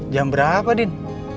jam berapa din